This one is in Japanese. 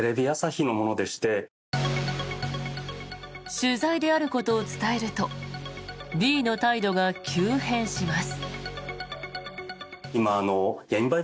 取材であることを伝えるとＢの態度が急変します。